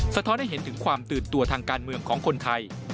สะท้อนให้เห็นถึงความตื่นตัวทางการเมืองของคนไทย